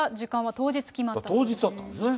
当日だったんですね。